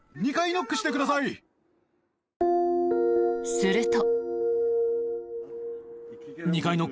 すると。